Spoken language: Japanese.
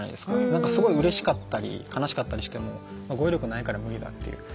何かすごいうれしかったり悲しかったりしても語彙力ないから無理だっていう。